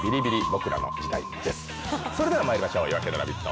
それではまいりましょう、「夜明けのラヴィット！」